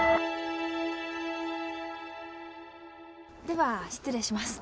では失礼します。